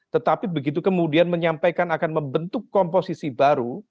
tetapi begitu kemudian menyampaikan akan membentuk komposisi baru